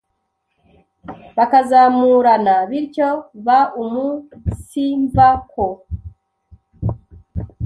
bakazamurana, bityo baumunsimva ko «